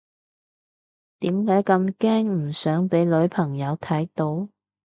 點解咁驚唔想俾女朋友睇到？